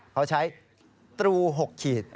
เขาใช้ตรู๖ขีด